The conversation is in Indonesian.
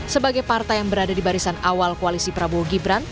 sebagai partai yang berada di barisan awal koalisi prabowo gibran